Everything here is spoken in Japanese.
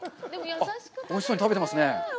あっ、おいしそうに食べていますね。